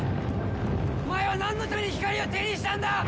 お前は何のために光を手にしたんだ！